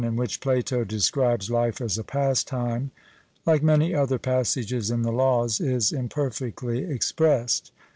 in which Plato describes life as a pastime, like many other passages in the Laws is imperfectly expressed.